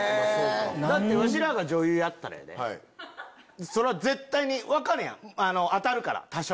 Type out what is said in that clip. わしらが女優やったらやでそりゃ絶対に分かるやん当たるから多少。